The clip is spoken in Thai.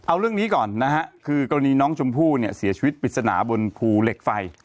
เอาเรื่องนี้ก่อนนะฮะคือกรณีน้องชมพู่เนี่ยเสียชีวิตปริศนาบนภูเหล็กไฟ